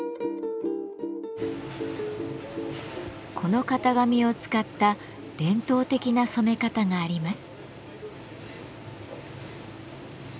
この型紙を使った伝統的な染め方があります。